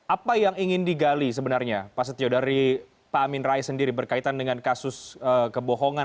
apa yang ingin digali sebenarnya pak setio dari pak amin rais sendiri berkaitan dengan kasus kebohongan